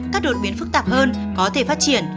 các đột biến phức tạp hơn có thể phát triển